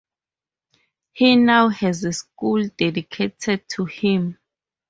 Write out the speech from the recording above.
He now has a school dedicated to him.